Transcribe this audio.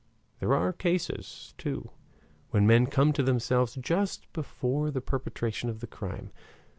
There are cases, too, when men come to themselves just before the perpetration of the crime.